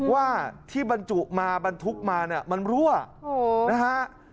ว่าที่บันจุมาบันทุกข์มามันรั่วโอ้โฮ